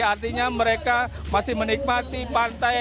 artinya mereka masih menikmati pantai